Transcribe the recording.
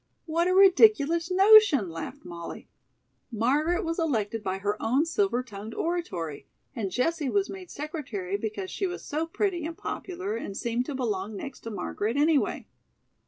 "What a ridiculous notion," laughed Molly. "Margaret was elected by her own silver tongued oratory, and Jessie was made secretary because she was so pretty and popular and seemed to belong next to Margaret anyway."